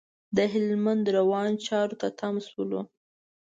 د هلمند روانو چارو ته تم شولو.